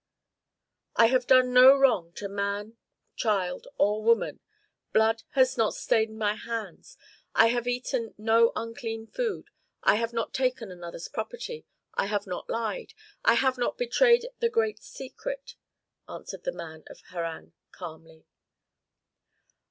"I have done no wrong to man, child, or woman. Blood has not stained my hands. I have eaten no unclean food. I have not taken another's property. I have not lied. I have not betrayed the great secret," answered the man of Harran, calmly.